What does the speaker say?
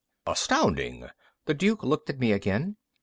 "Astounding." The Duke looked at me again.